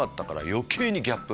余計にギャップ。